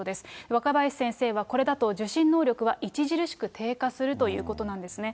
若林先生は、これだと受信能力は著しく低下するということなんですね。